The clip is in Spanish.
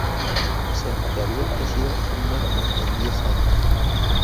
O sea que había crecido un metro en diez años.